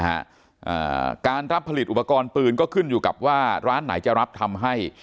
อ่าการรับผลิตอุปกรณ์ปืนก็ขึ้นอยู่กับว่าร้านไหนจะรับทำให้